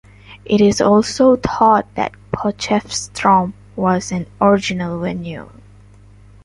It is also thought that Potchefstroom was an original venue.